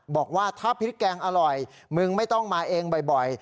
บอกว่าถ้าพริกแกงอร่อยมึงไม่ต้องมาเองบ่อย